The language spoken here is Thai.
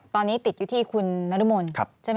ตอนนี้ติดอยู่ที่คุณนรมนใช่ไหม